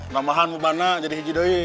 namahan bebannya jadi hididoi